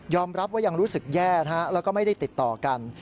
รับว่ายังรู้สึกแย่แล้วก็ไม่ได้ติดต่อกัน